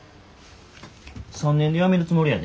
３年で辞めるつもりやで。